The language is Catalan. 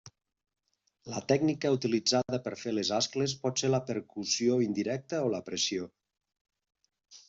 La tècnica utilitzada per fer les ascles pot ser la percussió indirecta o la pressió.